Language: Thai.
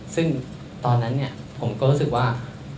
ซึ่งตอนนั้นผมก็รู้สึกว่า